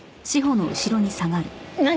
何？